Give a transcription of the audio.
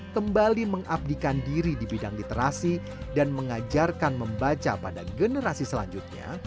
kembali mengabdikan diri di bidang literasi dan mengajarkan membaca pada generasi selanjutnya